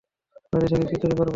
নদী থেকে কী চুরি করব?